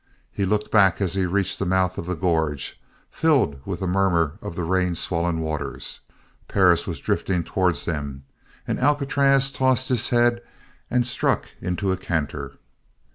He looked back as he reached the mouth of the gorge, filled with the murmur of the rain swollen waters. Perris was drifting towards them. And Alcatraz tossed his head and struck into a canter.